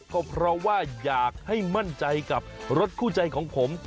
ก็เพราะว่าอยากให้มั่นใจกับรถคู่ใจของผม